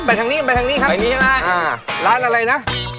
ไปทางนี้ครับอ่าร้านอะไรนะอ่าไปนี้ใช่ไหม